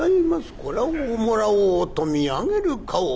これをもらおうと見上げる顔。